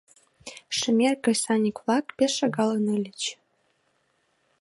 Шемер кресаньык-влак пеш шагалын ыльыч...